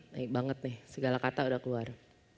naik banget nih segala kata udah keluar